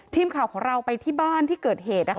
ทีมข่าวของเราไปที่บ้านที่เกิดเหตุนะคะ